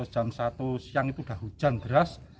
jam satu siang itu sudah hujan deras